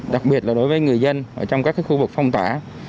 đặc biệt là đối với người dân trong các khu vực phong tỏa